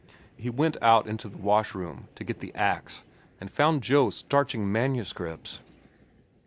He went out into the wash room to get the axe, and found Joe starching manuscripts.